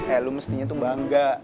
eh lu mestinya tuh bangga